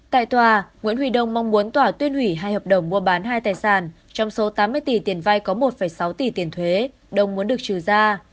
tại tòa nguyễn huy đông mong muốn tòa tuyên hủy hai hợp đồng mua bán hai tài sản trong số tám mươi tỷ tiền vay có một sáu tỷ tiền thuế đông muốn được trừ ra